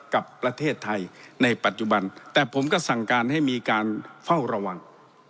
กับประเทศไทยในปัจจุบันแต่ผมก็สั่งการให้มีการเฝ้าระวัง